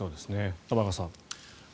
玉川さん。